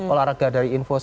olahraga dari luar negeri